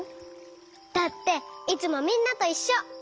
だっていつもみんなといっしょ！